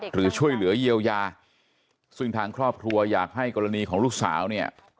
หรือช่วยเหลือเยียวยาซึ่งทางครอบครัวอยากให้กรณีของลูกสาวเนี่ย